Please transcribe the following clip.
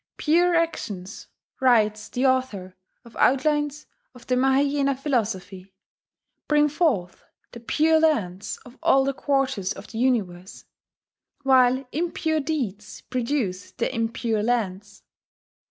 "Pure actions," writes the author of Outlines of the Maheyena Philosophy, "bring forth the Pure Lands of all the quarters of the universe; while impure deeds produce the Impure Lands."